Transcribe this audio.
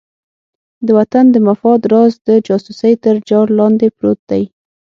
د وطن د مفاد راز د جاسوسۍ تر جال لاندې پروت دی.